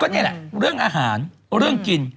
นี่แหละเรื่องอาหารเรื่องกิน